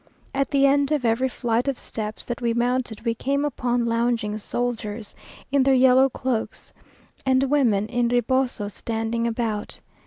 At the end of every flight of steps that we mounted we came upon lounging soldiers, in their yellow cloaks, and women in rebosos, standing about.